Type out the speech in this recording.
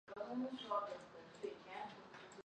密沙镇为缅甸曼德勒省皎克西县的镇区。